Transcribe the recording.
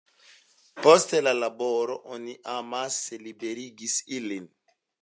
Post la laboro oni amase liberigis ilin.